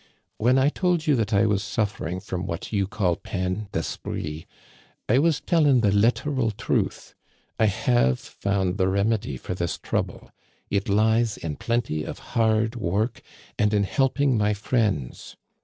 When I told you that I was suffering from what you call ^ peine d*esprit^ I was telling the literal truth. I I have found the remedy for this trouble. It lies in plenty of hard work and in helping my friends.